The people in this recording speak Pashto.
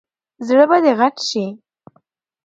زړه به دې غټ شي !